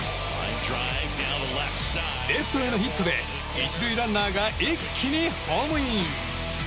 レフトへのヒットで１塁ランナーが一気にホームイン。